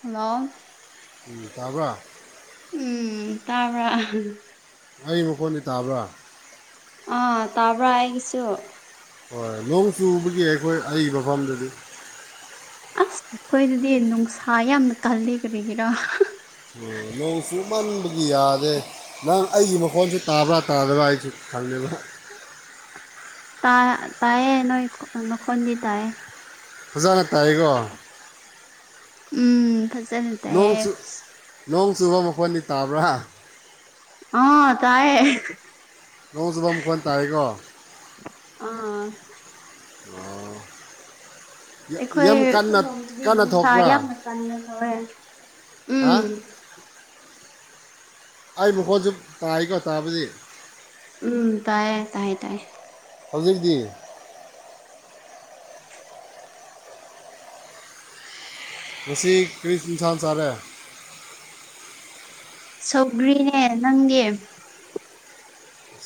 hello ꯎꯝ ꯇꯥꯕ꯭ꯔꯣ ꯎꯝ ꯇꯥꯕ꯭ꯔꯥ ꯑꯩ ꯃꯈꯣꯟꯗꯤ ꯇꯥꯕ꯭ꯔꯥ ꯑ ꯇꯥꯕ꯭ꯔ ꯑꯩꯒꯤꯁꯨ ꯍꯣꯏ ꯅꯣꯡ ꯆꯨꯕꯒꯤ ꯑꯩꯈꯣꯏ ꯑꯩ ꯃꯐꯝꯗꯗꯤ ꯑꯁ ꯑꯩꯈꯣꯏꯗꯗꯤ ꯅꯨꯡꯁꯥ ꯌꯥꯝꯅ ꯀꯜꯂꯤ ꯀꯔꯤꯒꯤꯔꯥ ꯑꯝ ꯅꯣꯡ ꯆꯨꯃꯟꯕꯒꯤ ꯌꯥꯗꯦ ꯅꯪ ꯑꯩꯒꯤ ꯃꯈꯣꯟꯁꯨ ꯇꯥꯕ꯭ꯔꯥ ꯇꯥꯗꯕ꯭ꯔꯥ ꯑꯩꯁꯨ ꯈꯪꯗꯦꯕ ꯇꯥ ꯇꯥꯏꯌꯦ ꯅꯣꯏ ꯃꯈꯣꯟꯗꯤ ꯇꯥꯢꯌꯦ ꯐꯖꯥꯅ ꯇꯥꯏꯀꯣ ꯎꯝ ꯐꯖꯅ ꯅꯣꯡ ꯇꯥꯏꯌꯦ ꯆꯨ ꯅꯣꯡ ꯆꯨꯕ ꯃꯈꯣꯟꯗꯤ ꯇꯥꯕ꯭ꯔꯥ ꯑꯥ ꯇꯥꯢꯌꯦ ꯅꯣꯡ ꯆꯨꯕ ꯃꯈꯣꯟ ꯇꯥꯏꯀꯣ ꯑꯥ ꯑꯣ ꯑꯩꯈꯣꯏ ꯑꯩꯈꯣꯏꯂꯣꯝꯗꯗꯤ ꯅꯨꯡꯁꯥ ꯊꯣꯛꯄ꯭ꯔꯥ ꯌꯥꯝꯅ ꯀꯥꯟꯅ ꯇꯧꯋꯦ ꯎꯝ ꯍꯥ ꯑꯩ ꯃꯈꯣꯟꯁꯨ ꯇꯥꯏꯀꯣ ꯇꯥꯕꯗꯤ ꯎꯝ ꯇꯥꯏꯌꯦ ꯇꯥꯏ ꯇꯥꯢ ꯍꯧꯖꯤꯛꯗꯤ ꯉꯁꯤ ꯀꯔꯤ ꯏꯟꯁꯥꯟ ꯆꯥꯔꯦ ꯁꯧꯒ꯭ꯔꯤꯅꯦ ꯅꯪꯒꯤ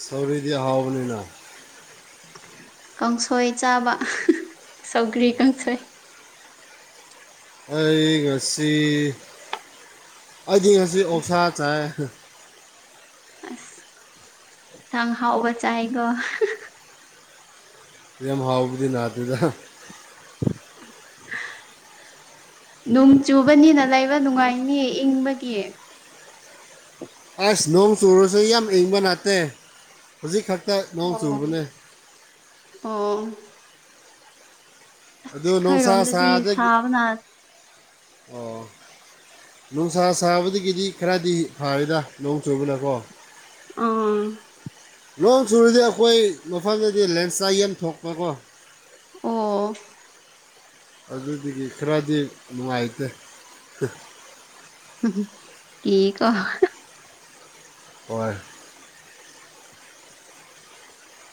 ꯁꯧꯒ꯭ꯔꯤꯗꯤ ꯍꯥꯎꯕꯅꯤꯅ ꯀꯥꯡꯁꯣꯏ ꯆꯥꯕ ꯁꯧꯒ꯭ꯔꯤ ꯀꯥꯡꯁꯣꯏ ꯑꯩ ꯉꯁꯤ ꯑꯩꯗꯤ ꯉꯁꯤ ꯑꯣꯛꯁꯥ ꯆꯥꯏ ꯑꯁ ꯌꯦꯟꯁꯥꯡ ꯑꯍꯥꯎꯕ ꯆꯥꯢꯀꯣ ꯌꯥꯝ ꯍꯥꯎꯕꯗꯤ ꯅꯥꯇꯦꯗ [unintelligible] ꯅꯣꯡ ꯆꯨꯕꯅꯤꯅ ꯂꯩꯕ ꯅꯨꯡꯉꯥꯏꯅꯤ ꯏꯪꯕꯒꯤ ꯑꯁ ꯅꯣꯡ ꯆꯨꯨꯔꯁꯨ ꯌꯥꯝ ꯏꯪꯕ ꯅꯠꯇꯦ ꯍꯧꯖꯤꯛ ꯈꯛꯇ ꯅꯣꯡ ꯆꯨꯕꯅꯦ ꯑꯣ ꯑꯣ ꯑꯁ ꯑꯗꯨ ꯅꯨꯡꯁꯥ ꯑꯩꯈꯣꯏꯔꯣꯝꯗꯗꯤ ꯁꯥꯗꯦ ꯁꯥꯕꯅ [unintelligible] ꯑꯣ ꯅꯨꯡꯁꯥ ꯁꯥꯕꯗꯒꯤꯗꯤ ꯈꯔꯗꯤ ꯐꯔꯦꯗ ꯅꯣꯡ ꯆꯨꯕꯅꯀꯣ ꯑ ꯂꯣꯡ ꯆꯨꯔꯗꯤ ꯑꯈꯣꯏ ꯃꯐꯝꯗꯗꯤ ꯂꯦꯟꯁꯂꯥꯏꯠ ꯌꯥꯝ ꯊꯣꯛꯄꯀꯣ ꯑꯣ ꯑꯗꯨꯗꯒꯤ ꯈꯔꯗꯤ ꯅꯨꯡꯉꯥꯏꯇꯦ [unintelligible] [unintelligible] ꯀꯤꯀꯣ ꯍꯣꯏ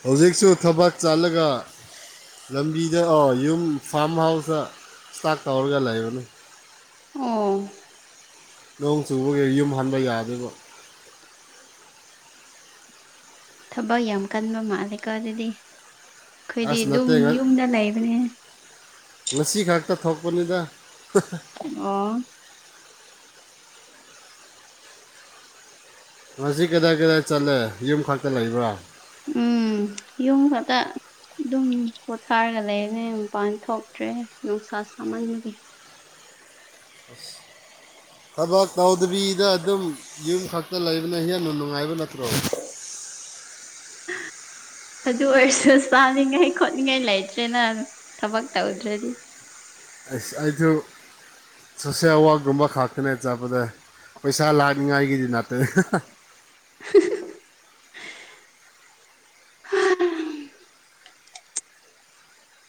ꯍꯧꯖꯤꯛꯁꯨ ꯊꯕꯛ ꯆꯠꯂꯒ ꯂꯝꯕꯤꯗ [unintelligible] ꯌꯨꯝ ꯐꯥꯝ ꯍꯥꯎꯁꯇ ꯏꯁꯇꯥꯛ ꯇꯧꯔꯒ ꯂꯩꯕꯅꯦ ꯑꯣ ꯅꯣꯡ ꯆꯨꯕꯒꯤ ꯌꯨꯝ ꯍꯟꯕ ꯌꯥꯗꯦꯕ ꯊꯕꯛ ꯌꯥꯝ ꯀꯟꯕ ꯃꯥꯜꯂꯦꯀꯣ ꯑꯗꯨꯗꯤ ꯑꯩꯈꯣꯏꯗꯤ ꯑꯁ ꯗꯨꯝ ꯅꯠꯇꯦ ꯉ- ꯌꯨꯝꯗ ꯂꯩꯕꯅꯦ ꯉꯁꯤ ꯈꯛꯇ ꯊꯣꯛꯄꯅꯤꯗ [unintelligible] ꯑꯣ ꯉꯁꯤ ꯀꯗꯥꯏ ꯀꯗꯥꯏ ꯆꯠꯂꯦ ꯌꯨꯝ ꯈꯛꯇ ꯂꯩꯕ꯭ꯔ ꯎꯝ ꯌꯨꯝ ꯈꯛꯇ ꯑꯗꯨꯝ ꯄꯣꯊꯥꯔꯒ ꯂꯩꯕꯅꯦ ꯃꯄꯥꯟ ꯊꯣꯛꯇ꯭ꯔꯦ ꯅꯨꯡꯁꯥ ꯁꯥꯃꯟꯕꯒꯤ [unintelligible] ꯊꯕꯛ ꯇꯧꯗꯕꯤꯗ ꯑꯗꯨꯝ ꯌꯨꯝ ꯈꯛꯇ ꯂꯩꯕꯅ ꯍꯦꯟꯅ ꯅꯨꯡꯉꯥꯏꯕ ꯅꯠꯇ꯭ꯔꯣ [unintelligible] ꯑꯗꯨ ꯑꯣꯏꯔꯁꯨ ꯆꯥꯅꯤꯡꯉꯥꯏ ꯈꯣꯠꯅꯤꯡꯉꯥꯏ ꯂꯩꯇ꯭ꯔꯦꯅ ꯊꯕꯛ ꯇꯧꯗ꯭ꯔꯗꯤ ꯑꯁ ꯑꯩꯖꯨ ꯁꯣꯁꯦꯜ ꯋꯥꯔꯛꯀꯨꯝꯕ ꯈꯛꯇꯅꯦ ꯆꯠꯄꯗꯤ ꯄꯩꯁꯥ ꯂꯥꯛꯅꯤꯉꯥꯏꯒꯤꯗꯤ ꯅꯠꯇꯦ [unintelligible] [unintelligible]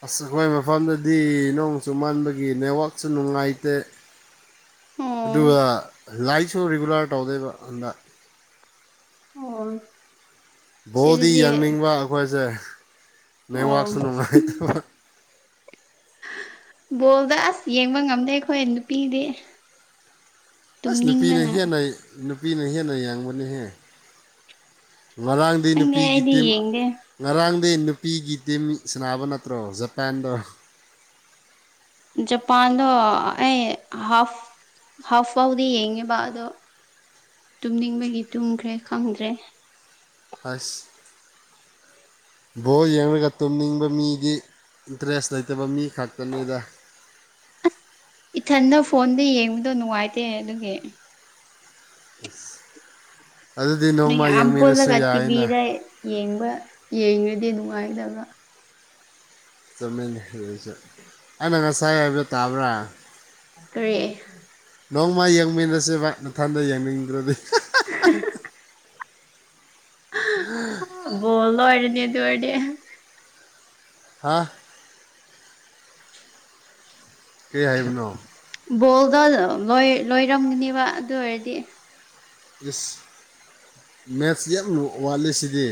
ꯑꯁ ꯑꯩꯈꯣꯏ ꯃꯐꯝꯗꯗꯤ ꯅꯣꯡ ꯆꯨꯃꯟꯕꯒꯤ ꯅꯦꯠꯋꯥꯛꯁꯨ ꯅꯨꯡꯉꯥꯏꯇꯦ ꯑꯣ ꯑꯗꯨꯒ ꯂꯥꯏꯠꯁꯨ ꯔꯤꯒꯨꯂꯔ ꯇꯧꯗꯦꯕ ꯍꯟꯗꯛ ꯑꯣ ꯕꯣꯜꯗꯤ ꯁꯤꯗꯗꯤ ꯌꯥꯡꯅꯤꯡꯕ ꯑꯈꯣꯏꯁꯦ ꯑꯣ ꯅꯦꯛꯋꯥꯛꯁꯨ ꯅꯨꯡꯉꯥꯏꯇꯕ ꯕꯣꯜꯗ ꯑꯁ ꯌꯦꯡꯕ ꯉꯝꯗꯦ ꯑꯩꯈꯣꯏ ꯅꯨꯄꯤꯗꯤ ꯑꯁ ꯅꯨꯄꯤꯅ ꯇꯨꯝꯅꯤꯡꯕꯅ ꯍꯦꯟꯅ ꯅꯨꯄꯤꯅ ꯍꯦꯟꯅ ꯌꯦꯡꯕꯅꯤꯍꯦ ꯉꯔꯥꯡꯗꯤ ꯈꯪꯗꯦ ꯅꯨꯄꯤꯒꯤ ꯑꯩꯗꯤ ꯇꯤꯝ- ꯌꯦꯡꯗꯦ ꯉꯔꯥꯡꯗꯤ ꯅꯨꯄꯤꯒꯤ ꯇꯤꯝ ꯁꯥꯟꯅꯕ ꯅꯠꯇ꯭ꯔꯣ ꯖꯄꯥꯟꯗꯣ ꯖꯄꯥꯟꯗ ꯑꯩ ꯍꯥꯥꯐ ꯍꯥꯥꯐ ꯐꯥꯎꯗꯤ ꯌꯦꯡꯉꯦꯕ ꯑꯗꯣ ꯇꯨꯝꯅꯤꯡꯕꯒꯤ ꯇꯨꯝꯈ꯭ꯔꯦ ꯈꯪꯗ꯭ꯔꯦ [unintelligible] ꯕꯣꯜ ꯌꯦꯡꯂꯒ ꯇꯨꯝꯅꯤꯡꯕ ꯃꯤꯗꯤ ꯏꯟꯇꯔꯦꯁ ꯂꯩꯇꯕ ꯃꯤ ꯈꯛꯇꯅꯤꯗ ꯏꯊꯟꯗ ꯐꯣꯟꯗ ꯌꯦꯡꯕꯗꯣ ꯅꯨꯡꯉꯥꯏꯇꯦ ꯑꯗꯨꯒꯤ ꯑꯗꯨꯗꯤ ꯅꯣꯡꯃ ꯃꯌꯥꯝ ꯌꯦꯡꯃꯤꯟꯅꯁꯨ ꯄꯨꯜꯂꯒ ꯌꯥꯏꯅ ꯇꯤꯚꯤꯗ ꯌꯦꯡꯕ ꯌꯦꯡꯉꯗꯤ ꯅꯨꯡꯉꯥꯏꯒꯗꯕ ꯆꯨꯝꯃꯤꯅꯦ ꯑꯗꯨꯁꯨ ꯑꯩꯅ ꯉꯁꯥꯏ ꯍꯥꯏꯕꯗꯣ ꯇꯥꯕ꯭ꯔ ꯀꯔꯤ ꯅꯣꯡꯃ ꯌꯦꯡꯃꯤꯟꯅꯁꯦꯕ ꯅꯊꯟꯗ ꯌꯦꯡꯅꯤꯡꯗ꯭ꯔꯗꯤ ꯑꯥ ꯕꯣꯜꯂꯣ ꯂꫭꯏꯔꯅꯤ ꯑꯗꯨ ꯑꫭꯏꯔꯗꯤ ꯍꯥꯥ ꯀꯩ ꯍꯥꯏꯕꯅꯣ ꯕꯣꯜꯗꯣ ꯂꯣꯏ ꯂꯣꯏꯔꯝꯒꯅꯤꯕ ꯑꯗꯨ ꯑꯣꯏꯔꯗꯤ ꯏꯁ ꯃꯦꯠꯁ ꯌꯥꯝ ꯋꯥꯠꯂꯤꯁꯤꯗꯤ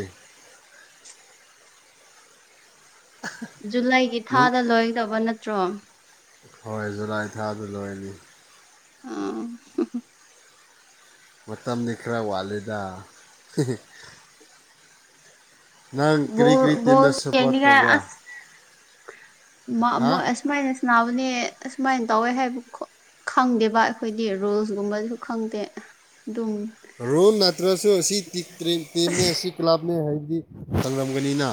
ꯖꯨꯂꯥꯏꯒꯤ ꯊꯥꯗ ꯂꯣꯏꯒꯗꯕ ꯅꯠꯇ꯭ꯔꯣ ꯍꯣꯏ ꯖꯨꯂꯥꯏ ꯊꯥꯗ ꯂꯣꯏꯅꯤ ꯑꫭ ꯍꯨꯝ ꯍꯨꯝ ꯃꯇꯝꯗꯤ ꯈ꯭ꯔ ꯋꯥꯠꯂꯤꯗ ꯍꯤ ꯍꯤ ꯅꯪ ꯕꯣꯜ ꯀꯔꯤ ꯀꯔꯤ ꯇꯤꯝꯗ ꯕꯣꯜꯖꯨ ꯁꯞꯄꯣꯔꯠ ꯌꯦꯡꯅꯤꯡꯉꯦ ꯇꯧꯕ꯭ꯔꯥ ꯑꯁ ꯍꯥ ꯃꯥꯃꯨꯛ ꯑꯁ ꯁꯨꯃꯥꯏꯅ ꯁ꯭ꯅꯥꯕꯅꯦ ꯑꯁꯨꯃꯥꯏꯅ ꯇꯧꯋꯦ ꯍꯥꯏꯕꯈꫭ ꯈꯪꯗꯦꯕ ꯑꯩꯈꯣꯏꯗꯤ ꯔꯨꯜꯁꯒꯨꯝꯕꯁꯨ ꯈꯪꯗꯦ ꯑꯗꯨꯝ ꯔꯨꯜ ꯅꯠꯇ꯭ꯔꯁꯨ ꯑꯁꯤ ꯇꯤꯛ ꯇ꯭ꯔꯤꯛꯇꯦꯅꯦ ꯑꯁꯤ ꯀ꯭ꯂꯕꯅꯦ ꯍꯥꯏꯕꯗꯤ ꯈꯪꯂꯝꯒꯅꯤꯅ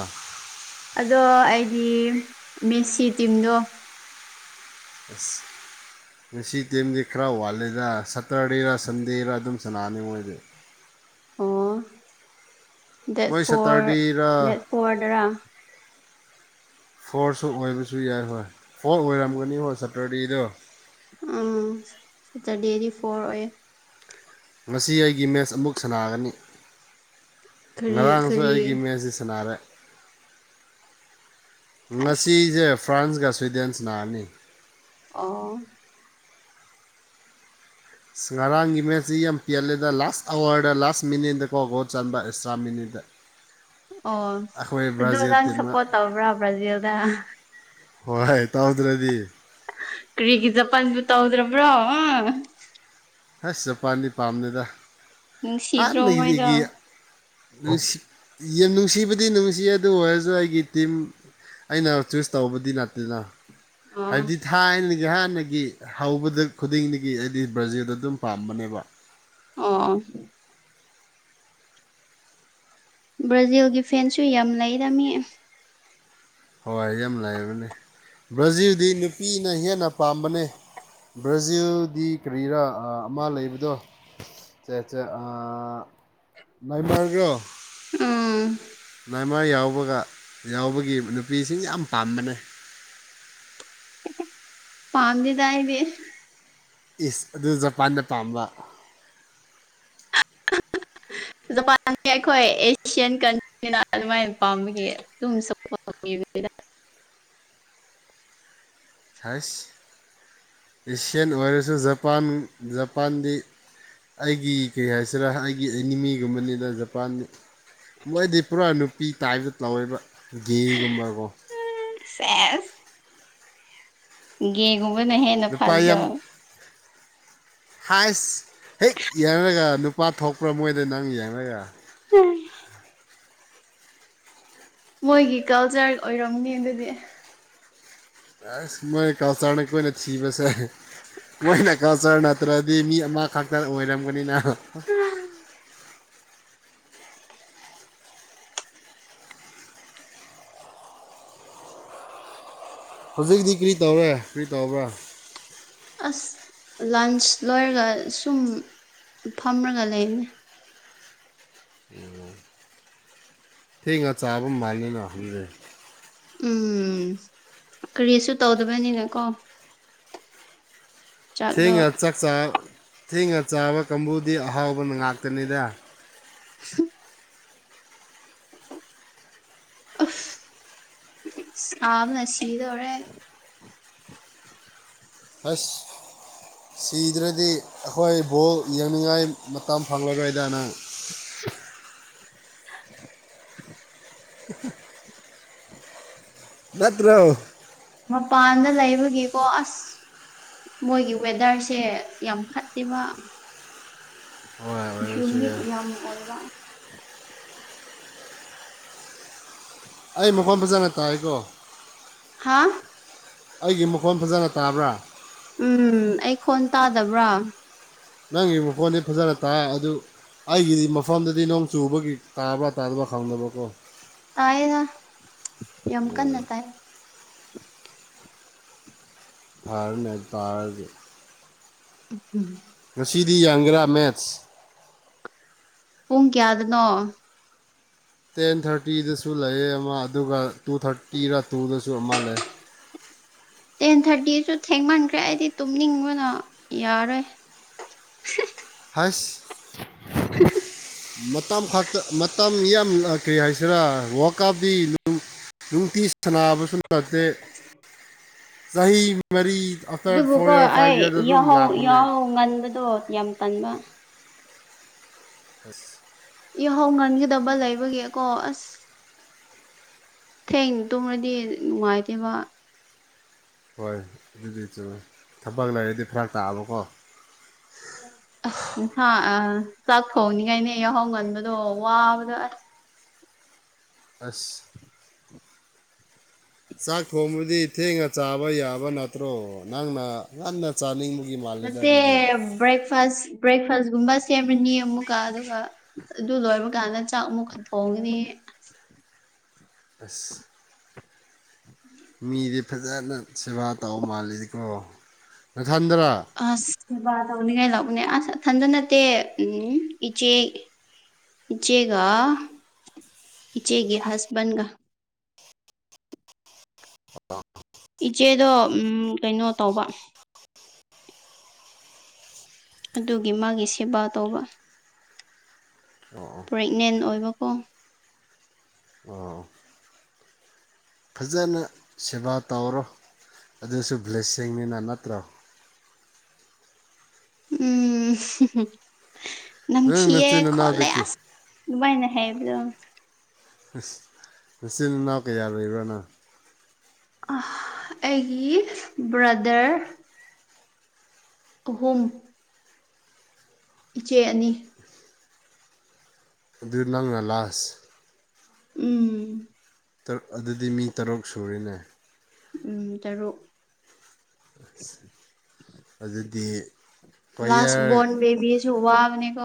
ꯑꯗꯣ ꯑꯩꯗꯤ ꯃꯦꯁꯤ ꯇꯤꯝꯗꯣ ꯑꯁ ꯃꯦꯁꯤ ꯇꯤꯝꯗꯤ ꯈꯔ ꯋꯥꯠꯂꯤꯗ ꯁꯇꯔꯗꯦꯔꯥ ꯁꯟꯗꯦꯔꯥ ꯑꯗꯨꯝ ꯁ꯭ꯅꯥꯕꯅꯤ ꯃꯣꯏꯗꯤ ꯑꯣ ꯗꯦꯠ ꯃꯣꯏ ꯐꯣꯔ ꯗꯦꯠ ꯁꯇꯔꯗꯦꯔ ꯐꯣꯔꯗꯔꯥ ꯐꯣꯔꯁꯨ ꯑꯣꯏꯕꯁꯨ ꯌꯥꯏ ꯍꯣꯏ ꯐꯣꯔ ꯑꯣꯏꯔꯝꯒꯅꯤꯉꯣ ꯁꯇꯔꯗꯦꯗꯣ ꯎꯝ ꯁꯇꯔꯗꯦꯗꯤ ꯐꯣꯔ ꯑꯣꯏꯌꯦ ꯉꯁꯤ ꯑꯩꯒꯤ ꯃꯦꯠꯁ ꯑꯃꯨꯛ ꯁ꯭ꯅꯥꯒꯅꯤ ꯀꯔꯤ ꯉꯔꯥꯡꯁꯨ ꯀꯔꯤ ꯑꯩꯒꯤ ꯃꯦꯠꯁꯤ ꯁꯥꯟꯅꯥꯔꯦ ꯑꯁ ꯉꯁꯤꯖꯦ ꯐ꯭ꯔꯥꯟꯁꯒ ꯁ꯭ꯋꯤꯗꯦꯟꯁ ꯁ꯭ꯅꯥꯔꯅꯤ ꯑꯣ ꯏꯁ ꯉꯔꯥꯡꯒꯤ ꯃꯦꯠꯁꯤ ꯌꯥꯝ ꯄꯦꯜꯂꯦꯗ ꯂꯥꯁ ꯑꯋꯥꯔꯗ ꯂꯥꯁ ꯃꯤꯅꯤꯠꯗꯀꯣ ꯒꯣꯜ ꯆꯟꯕ ꯑꯦꯛꯁꯇ꯭ꯔꯥ ꯃꯤꯅꯤꯠꯇ ꯑꯣ ꯑꯩꯈꯣꯏ ꯑꯗꯨ ꯕ꯭ꯔꯥꯖꯤꯜ ꯅꯪ ꯇꯤꯝꯅ ꯁꯞꯄꯣꯔꯠ ꯇꯧꯕ꯭ꯔꯥ ꯕ꯭ꯔꯥꯖꯤꯜꯗꯥ ꯍꯣꯏ ꯇꯧꯗ꯭ꯔꯗꯤ ꯀꯔꯤꯒꯤ ꯖꯄꯥꯟꯕꯨ ꯇꯧꯗ꯭ꯔꯕ꯭ꯔꯣ ꯑꯁ ꯖꯄꯥꯟꯗꯤ ꯄꯥꯝꯗꯦꯗ ꯅꯨꯡꯁꯤꯗ꯭ꯔꯣ ꯃꯣꯏꯗꯣ ꯍꯥꯟꯅꯒꯤ ꯅꯨꯡꯁꯤ ꯌꯥꯝ ꯅꯨꯡꯁꯤꯕꯗꯤ ꯅꯨꯡꯁꯤꯌꯂ ꯑꯗꯨ ꯑꯣꯏꯔꯁꯨ ꯑꯩꯒꯤ ꯇꯤꯝ ꯑꯩꯅ ꯆꯨꯁ ꯇꯧꯕꯗꯤ ꯅꯠꯇꯦꯅ ꯑꯣ ꯍꯥꯏꯕꯗꯤ ꯊꯥꯏꯅꯒꯤ ꯍꯥꯟꯅꯒꯤ ꯍꯧꯕꯗ ꯈꯨꯗꯤꯡꯗꯒꯤ ꯑꯩꯗꯤ ꯕ꯭ꯔꯥꯖꯤꯜꯗ ꯑꯗꯨꯝ ꯄꯥꯝꯕꯅꯦꯕ ꯑꫭ ꯕ꯭ꯔꯥꯖꯤꯜꯒꯤ ꯐꯦꯟꯁꯨ ꯌꯥꯝ ꯂꯩꯔꯝꯃꯤ ꯍꯋꯥꯏ ꯌꯥꯝ ꯂꯥꯏꯔꯕꯅꯤ ꯕ꯭ꯔꯥꯖꯤꯜꯗꯤ ꯅꯨꯄꯤꯅ ꯍꯦꯟꯅ ꯄꯥꯝꯕꯅꯦ ꯕ꯭ꯔꯖꯤꯜꯗꯤ ꯀꯔꯤꯔꯥ ꯑꯃ ꯂꯩꯕꯗꯣ ꯑꯥ ꯅꯏꯃꯔꯒ ꯎꯝ ꯃꯥꯏꯃꯔ ꯌꯥꯎꯕꯒ ꯌꯥꯎꯕꯒꯤ ꯅꯨꯄꯤꯁꯤꯡ ꯌꯥꯝ ꯄꯥꯝꯕꯅꯦ ꯄꯥꯝꯗꯦꯗ ꯑꯩꯗꯤ ꯏꯁ ꯑꯗꯨ ꯖꯄꯥꯟꯗ ꯄꯥꯝꯕ ꯖꯄꯥꯟꯁ ꯑꯩꯈꯣꯏ ꯑꯦꯁꯤꯌꯥꯟ ꯀꯟꯇ꯭ꯔꯤꯅ ꯑꯗꯨꯃꯥꯏꯅ ꯄꯥꯝꯕꯒꯤ [unintelligible] ꯍꯁ ꯑꯦꯁꯤꯌꯥꯟ ꯑꯣꯏꯔꯁꯨ ꯖꯄꯥꯟ ꯖꯄꯥꯟꯗꯤ ꯑꯩꯒꯤ ꯀꯩ ꯍꯥꯏꯁꯤꯔ ꯑꯩꯒꯤ ꯑꯦꯅꯤꯃꯤꯒꯨꯝꯕꯅꯤꯅ ꯖꯄꯥꯟꯗꯤ ꯃꯣꯏꯗꯤ ꯄꯨꯔꯥ ꯅꯨꯄꯤ ꯇꯥꯏꯕꯇ ꯇꯧꯋꯦꯕ ꯒꯦꯒꯨꯝꯕꯀꯣ [unintelligible] ꯁꯦꯁ ꯒꯦꯒꯨꯝꯕꯅ ꯍꯦꯟꯅ ꯐꯗ꯭ꯔꯣ ꯍꯩꯁ ꯍꯦꯛ ꯌꯥꯔꯅꯨ ꯌꯥꯔꯅꯨ ꯄꯥ ꯊꯣꯛꯄ꯭ꯔꯥ ꯃꯣꯏꯗ ꯅꯪ ꯌꯦꯡꯉ ꯌꯥ [unintelligible] ꯃꯣꯏꯒꯤ ꯀꯜꯆꯔ ꯑꯣꯏꯔꯝꯅꯤ ꯑꯗꯨꯗꯤ ꯑꯁ ꯃꯣꯏ [unintelligible] ꯑꯈꯣꯏꯅ ꯊꯤꯕꯁꯦ ꯃꯣꯏꯅ ꯀꯜꯆꯔ ꯅꯠꯇ꯭ꯔꯗꯤ ꯃꯤ ꯑꯃꯈꯛꯇ ꯑꯣꯏꯔꯝꯒꯅꯤꯅ [unintelligible] ꯍꯧꯖꯤꯛꯇꯤ ꯀ꯭ꯔꯤ ꯇꯧꯔꯦ ꯀ꯭ꯔꯤ ꯇꯧꯕ꯭ꯔ ꯑꯁ ꯂꯟꯁ ꯂꯣꯏꯔꯒ ꯁꯨꯝ ꯐꯝꯔꯒ ꯂꯩꯝꯅꯦ [unintelligible] ꯊꯦꯡꯉ ꯆꯥꯕ ꯃꯥꯜꯂꯤꯅ ꯑꯗꯨꯗꯤ ꯎꯝ ꯀꯔꯤꯁꯨ ꯇꯧꯗꯕꯅꯤꯅ ꯀꯣ ꯆꯥꯛꯗꯣ ꯊꯦꯡꯉ ꯆꯥꯛ ꯆꯥ ꯊꯦꯡꯉ ꯆꯥꯕ ꯀꯥꯡꯕꯨꯗꯤ ꯑꯍꯥꯎꯕ ꯉꯥꯛꯇꯅꯤꯗ [unintelligible] ꯑꯐ ꯁꯥꯕꯅ ꯁꯤꯗꯧꯔꯦ ꯍꯁ ꯁꯤꯗ꯭ꯔꯗꯤ ꯑꯩꯈꯣꯏ ꯕꯣꯜ ꯌꯦꯡꯅꯤꯡꯉꯥꯏ ꯃꯇꯝ ꯐꯪꯂꯔꯣꯏꯗ ꯅꯪ [unintelligible] [unintelligible] ꯅꯠꯇ꯭ꯔꯣ ꯃꯄꯥꯟꯗ ꯂꯩꯕꯒꯤꯀꯣ ꯑꯁ ꯃꯣꯏꯒꯤ ꯋꯦꯗꯔꯁꯦ ꯌꯥꯝ ꯐꯠꯇꯦꯕ ꯍꯣꯏ ꯑꯣꯏꯔꯝꯕꯁꯨ ꯍꯨ꯭ꯎꯃꯤꯗ ꯌꯥꯏ ꯌꯥꯝ ꯑꯣꯏꯕ ꯑꯩ ꯃꯈꯣꯟ ꯐꯖꯅ ꯇꯥꯏꯀꯣ ꯍꯥꯥ ꯑꯩꯒꯤ ꯃꯈꯣꯟ ꯐꯖꯅ ꯇꯥꯕ꯭ꯔ ꯎꯝ ꯑꯩ ꯈꯣꯟ ꯇꯥꯗꯕ꯭ꯔ ꯅꯪꯒꯤ ꯃꯈꯣꯟꯗꯤ ꯐꯖꯅ ꯇꯥꯏ ꯑꯗꯨ ꯑꯩꯒꯤꯗꯤ ꯃꯐꯝꯗꯗꯤ ꯅꯣꯡ ꯆꯨꯕꯒꯤ ꯇꯥꯕ꯭ꯔ ꯇꯥꯗꯕ ꯍꯪꯕꯅꯤꯀꯣ ꯇꯌꯦꯅ ꯌꯥꯝꯀꯟꯅ ꯇꯥꯏ ꯐꯥꯔꯝꯅꯦ ꯇꯥꯔꯗꯤ ꯎ ꯍꯨꯝ ꯉꯁꯤꯗꯤ ꯌꯥꯡꯒꯦꯔꯥ ꯃꯦꯠꯁ ꯄꯨꯡ ꯀꯌꯥꯗꯅꯣ ꯇꯦꯟ ꯊꯥꯔꯇꯤꯗꯁꯨ ꯂꯩꯌꯦ ꯑꯃ ꯑꯗꯨꯒ ꯇꯨ ꯊꯥꯔꯇꯤꯔ ꯇꯨꯗꯁꯨ ꯑꯃ ꯂꯩ ꯇꯦꯟ ꯊꯥꯔꯇꯤꯁꯨ ꯊꯦꯡꯃꯟꯈ꯭ꯔꯦ ꯑꯩꯗꯤ ꯇꯨꯝꯅꯤꯡꯕꯅ ꯌꯥꯔꯣꯏ [unintelligible] ꯍꯥꯏꯁ [unintelligible] ꯃꯇꯝ ꯈꯥꯛꯇ ꯃꯇꯝ ꯌꯥꯝꯅ ꯀ꯭ꯔꯤ ꯍꯥꯏꯁꯤꯔꯥ ꯋꯥꯜ ꯀꯥꯞꯇꯤ [unintelligible] ꯅꯨꯡꯇꯤ ꯁꯟꯅꯥꯕꯁꯨ ꯅꯠꯇꯦ ꯆꯍꯤ ꯃꯔꯤ ꯑꯥꯐꯇꯔ ꯐꯣꯔ ꯑꯗꯨꯕꯨꯀꯣ ꯏꯌꯥꯔ ꯐꯥꯏꯚ ꯑꯩ ꯏꯌꯥꯔꯗ ꯑꯗꯨꯝ ꯌꯥꯍꯧ ꯂꯥꯛꯄꯅꯦ ꯌꯥꯍꯧ ꯉꯟꯕꯗꯣ ꯌꯥꯝ ꯇꯟꯕ ꯍꯁ ꯌꯥꯍꯧ ꯉꯟꯒꯗꯕ ꯂꯩꯕꯒꯤꯀꯣ ꯑꯁ ꯊꯦꯡ ꯇꯨꯝꯔꯗꯤ ꯅꯨꯡꯉꯥꯏꯇꯦꯕ ꯍꯣꯏ ꯑꯗꯨꯗꯤ ꯆꯨꯝ ꯊꯕꯛ ꯂꯩꯔꯗꯤ ꯐꯔꯛ ꯇꯥꯕꯀꯣ ꯑꯁ [unintelligible] ꯑꯥ ꯆꯥꯛ ꯊꯣꯡꯅꯤꯉꯥꯏꯅꯦ ꯌꯥꯍꯧ ꯉꯟꯕꯗꯣ ꯋꯥꯕꯗꯣ ꯑꯁ ꯑꯁ ꯆꯥꯛ ꯊꯣꯡꯕꯗꯤ ꯊꯦꯡꯅ ꯆꯥꯕ ꯌꯥꯕ ꯅꯠꯇ꯭ꯔꯣ ꯅꯪꯅ ꯉꯟꯅ ꯆꯥꯅꯤꯡꯕꯒꯤ ꯃꯥꯜꯂꯦꯗ ꯑꯗꯨꯗꯤ [unintelligible] ꯐꯥꯁ ꯕ꯭ꯔꯦꯛꯐꯥꯁꯒꯨꯝꯕ ꯁꯦꯝꯃꯅꯤ ꯑꯃꯨꯛꯀ ꯑꯗꯨꯒ ꯑꯗꯨ ꯂꯣꯏꯕ ꯀꯥꯟꯗ ꯆꯥꯛ ꯑꯃꯨꯛ ꯈꯟ ꯊꯣꯡꯒꯅꯤ ꯑꯁ ꯃꯤꯗꯤ ꯐꯖꯅ ꯁꯦꯕꯥ ꯇꯧ ꯃꯥꯜꯂꯤꯀꯣ ꯅꯊꯟꯗꯔꯥ ꯑꯁ ꯁꯦꯕꯥ ꯇꯧꯅꯤꯡꯉꯥꯏ ꯂꯧꯕꯅꯦ ꯑꯁ ꯑꯊꯟꯇꯥ ꯅꯠꯇꯦ ꯎꯝ ꯏꯆꯦ ꯏꯆꯦꯒ ꯏꯆꯦꯒꯤ ꯍꯁꯕꯟꯒ ꯏꯆꯦꯗꯣ ꯎꯝ ꯀꯩꯅꯣ ꯇꯧꯕ ꯑꯗꯨꯒꯤ ꯃꯥꯒꯤ ꯁꯦꯕꯥ ꯇꯧꯕ ꯑꯣ ꯑꯣ ꯄ꯭ꯔꯦꯛꯅꯦꯟ ꯑꯣꯏꯕꯀꯣ ꯑꯣ ꯐꯖꯅ ꯁꯦꯕꯥ ꯇꯧꯔꯣ ꯑꯗꯨꯁꯨ ꯕ꯭ꯂꯦꯁꯤꯡꯅꯤꯅ ꯅꯠꯇ꯭ꯔꯣ ꯎꯝ ꯅꯪ ꯅꯝꯊꯤꯌꯦ ꯅꯆꯤꯟ ꯈꯣꯠꯂꯦ ꯅꯅꯥꯎꯗꯒꯤ ꯑꯁ ꯑꯗꯨꯃꯥꯏꯅ ꯍꯥꯏꯕ꯭ꯔꯣ [unintelligible] ꯅꯆꯤꯟ ꯅꯅꯥꯎ ꯀꯌꯥ ꯂꯩꯕ꯭ꯔꯣ ꯅꯪ ꯑꯥ ꯑꯩꯒꯤ ꯕ꯭ꯔꯗꯔ ꯑꯍꯨꯝ ꯏꯆꯦ ꯑꯅꯤ ꯑꯗꯨ ꯅꯪꯅ ꯂꯥꯁ ꯎꯝ [unintelligible] ꯑꯗꯨꯗꯤ ꯃꯤ ꯇꯔꯨꯛ ꯁꯨꯔꯤꯅꯦ ꯎꯝ ꯇꯔꯨꯛ ꯍꯧꯖꯤꯛꯇꯤ ꯄꯌꯔ ꯋꯥꯕꯅꯤꯀꯣ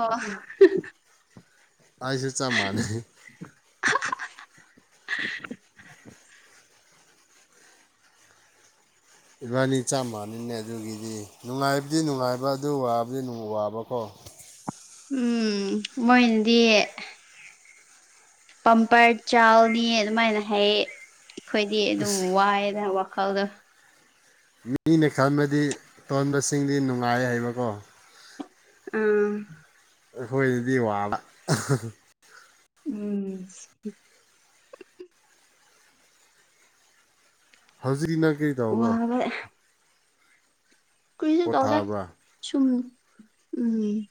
ꯑꯩꯁꯨ ꯆꯞ ꯃꯥꯥꯟꯅꯩ [unintelligible] ꯏꯕꯥꯅꯤ ꯆꯞ ꯃꯥꯟꯅꯩꯅꯦ ꯑꯗꯨꯒꯤꯗꯤ ꯅꯨꯡꯉꯥꯏꯕꯗꯤ ꯅꯨꯡꯉꯥꯏꯕ ꯑꯗꯨ ꯋꯥꯕꯗꯤ [unintelligible] ꯋꯥꯕꯀꯣ ꯎꯝ ꯃꯣꯏꯅꯗꯤ ꯄꯝꯄꯔ ꯆꯥꯎꯜꯅꯤ ꯑꯗꯨꯃꯥꯏꯅ ꯍꯥꯏꯌꯦ ꯑꯩꯈꯣꯏꯗꯤ ꯑꯗꯨꯝ ꯑꯁ ꯋꯥꯏꯗ ꯋꯥꯈꯜꯗꯣ ꯃꯤꯅ ꯈꯟꯕꯗꯤ ꯇꯣꯟꯕꯁꯤꯡꯗꯤ ꯅꯨꯡꯉꯥꯏ ꯍꯥꯏꯕꯀꯣ ꯎꯝ ꯑꯩꯈꯣꯏꯗꯗꯤ ꯋꯥꯕ ꯎꯝ ꯍꯧꯖꯤꯛꯀꯤ ꯅꯪ [unintelligible] ꯋꯥꯕꯩ ꯀꯔꯤꯁꯨ ꯇꯧꯗꯦ ꯄꯣꯊꯥꯕ꯭ꯔꯥ ꯁꯨꯝ ꯎꯝ